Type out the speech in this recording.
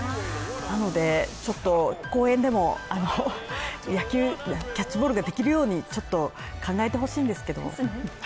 なので、ちょっと公園でも野球、キャッチボールができるようにちょっと考えてほしいんですけど。